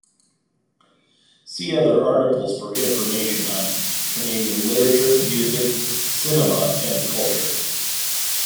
See other articles for information on Canadian literature, music, cinema and culture.